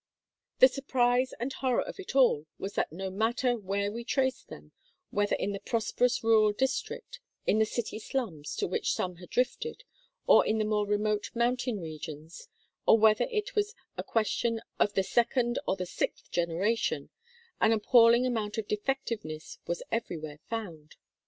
The surprise and horror of it all was that no matter where we traced them, whether in the prosperous rural district, in the city slums to which some had drifted, or in the more remote mountain regions, or whether it was a question of the second or the sixth generation, an ap palling amount of defectiveness was everywhere found.